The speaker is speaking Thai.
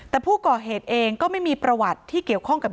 แต่ผู้ก่อเหตุเองก็ไม่มีประวัติที่เกี่ยวข้องกับ